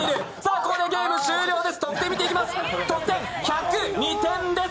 ここでゲーム終了です。